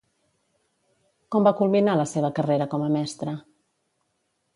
Com va culminar la seva carrera com a mestra?